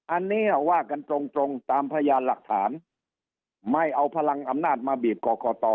อันนี้ว่ากันตรงตรงตามพยานหลักฐานไม่เอาพลังอำนาจมาบีบกรกต